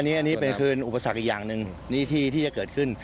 อันนี้เป็นคืนอุปสรรคอีกอย่างหนึ่งที่จะเกิดขึ้น